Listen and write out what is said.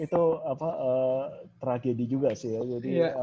itu tragedi juga sih ya